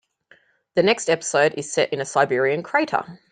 The next episode is set in a Siberian crater.